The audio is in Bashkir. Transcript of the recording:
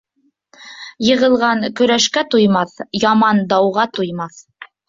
Йығылған көрәшкә туймаҫ, яман дауға туймаҫ.